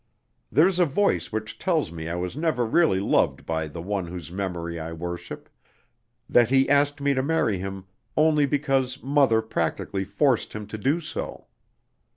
There's a voice which tells me I was never really loved by the one whose memory I worship; that he asked me to marry him only because mother practically forced him to do so.